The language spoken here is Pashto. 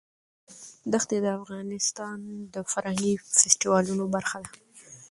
دښتې د افغانستان د فرهنګي فستیوالونو برخه ده.